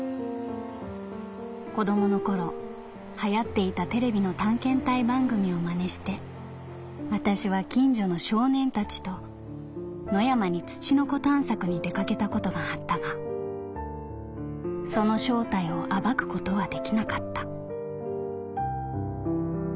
子供の頃流行っていたテレビの探検隊番組を真似して私は近所の少年たちと野山に『つちのこ』探索に出掛けたことがあったがその正体を暴くことはできなかった」。